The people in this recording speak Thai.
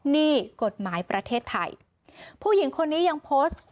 นี่กฎหมายประเทศไทยผู้หญิงคนนี้ยังโพสต์